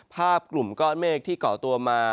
ภาพกลุ่มก้อนเมฆที่เกาะตัวมา